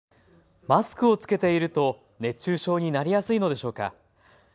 マスクを着けていると、熱中症になりやすいのでしょうか。